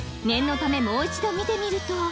［念のためもう一度見てみると］